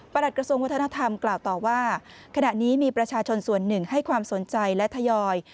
หลักกระทรวงวัฒนธรรมกล่าวต่อว่าขณะนี้มีประชาชนส่วนหนึ่งให้ความสนใจและทยอย